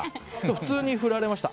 普通に振られました。